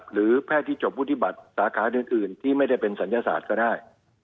หรือแพทย์ที่จบวุฒิบัตรสาขาอื่นที่ไม่ได้เป็นศัลยศาสตร์ก็ได้